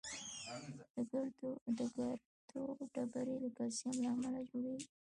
د ګردو ډبرې د کلسیم له امله جوړېږي.